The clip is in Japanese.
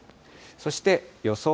そして予想